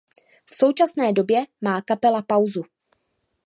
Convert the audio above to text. V současné době má kapela pauzu.